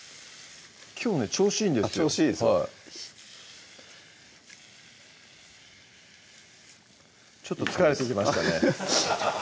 きょうね調子いいんですよ調子いいですかちょっと疲れてきましたね